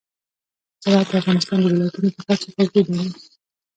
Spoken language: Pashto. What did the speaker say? زراعت د افغانستان د ولایاتو په کچه توپیر لري.